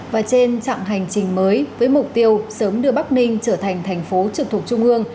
và trên chặng hành trình mới với mục tiêu sớm đưa bắc ninh trở thành thành phố trực thuộc trung ương